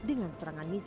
dengan serangan misil